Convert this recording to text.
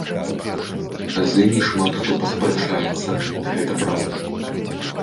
З імі шмат хто паспрачаецца, гэта праўда.